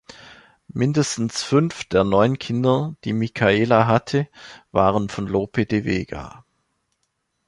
Mindestens fünf der neun Kinder, die Micaela hatte, waren von Lope de Vega.